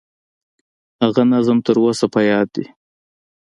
هغه نظم تر اوسه په یاد دي.